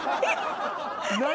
何？